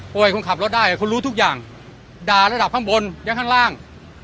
คนขับรถได้คุณรู้ทุกอย่างด่าระดับข้างบนและข้างล่าง